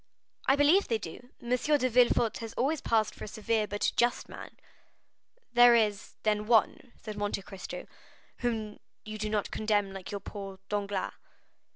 "I believe they do. M. de Villefort has always passed for a severe but a just man." "There is, then, one," said Monte Cristo, "whom you do not condemn like poor Danglars?"